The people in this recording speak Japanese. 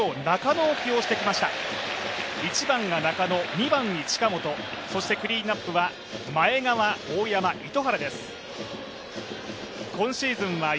１番が中野、２番に近本、そしてクリーンアップは前山、大山糸原です。